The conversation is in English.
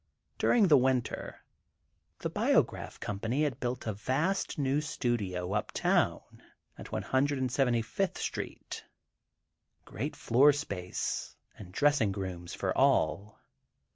During the winter, the Biograph Company had built a vast, new studio uptown, at 175th Street, great floor space, and dressing rooms for all.